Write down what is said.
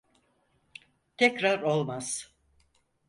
Tekrar olmaz.